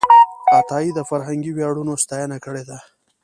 عطایي د فرهنګي ویاړونو ستاینه کړې ده.